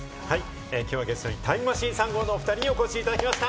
きょうはゲストにタイムマシーン３号のおふたりにお越しいただきました。